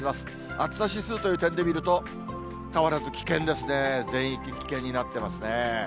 暑さ指数という点で見ると、変わらず危険ですね、全域危険になってますね。